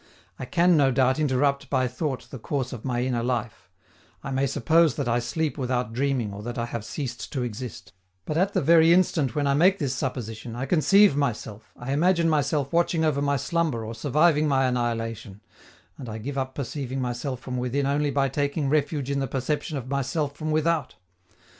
I can, no doubt, interrupt by thought the course of my inner life; I may suppose that I sleep without dreaming or that I have ceased to exist; but at the very instant when I make this supposition, I conceive myself, I imagine myself watching over my slumber or surviving my annihilation, and I give up perceiving myself from within only by taking refuge in the perception of myself from without.